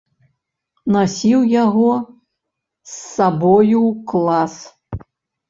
Насіў яго з сабою ў клас.